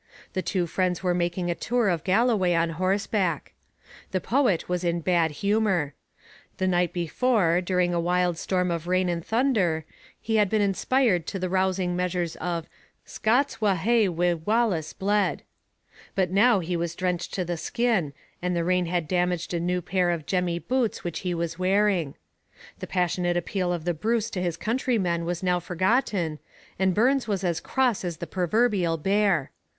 The two friends were making a tour of Galloway on horseback. The poet was in bad humour. The night before, during a wild storm of rain and thunder, he had been inspired to the rousing measures of 'Scots wha hae wi' Wallace bled.' But now he was drenched to the skin, and the rain had damaged a new pair of jemmy boots which he was wearing. The passionate appeal of the Bruce to his countrymen was now forgotten, and Burns was as cross as the proverbial bear.